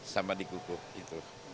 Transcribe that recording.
sama di kuku gitu